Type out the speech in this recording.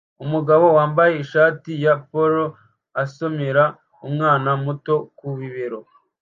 Umugabo wambaye ishati ya polo asomera umwana muto ku bibero